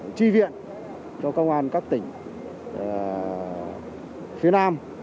để chi viện cho công an các tỉnh phía nam